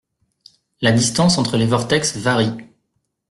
la distance entre les vortex varie